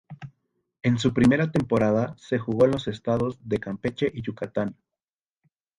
En su primera temporada se jugó en los estados de Campeche y Yucatán.